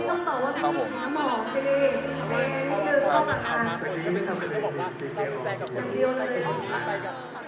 นี่ต้องตอบว่าเป็นข้าวเหมาะเท่าไหร่มันเป็นข้าวเหมาะเท่าไหร่